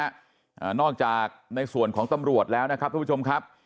อ่านอกจากในส่วนของตำรวจแล้วนะครับทุกผู้ชมครับ